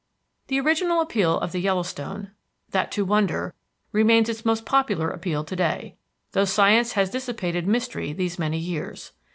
The original appeal of the Yellowstone, that to wonder, remains its most popular appeal to day, though science has dissipated mystery these many years.